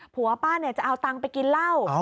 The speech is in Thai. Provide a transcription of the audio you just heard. ผัวป้าจะเอาตังค์ไปกินเหล้า